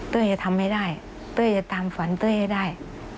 จะทำให้ได้เต้ยจะตามฝันเต้ยให้ได้